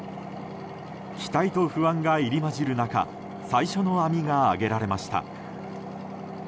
期待と不安が入り混じる中最初の網が揚げられました。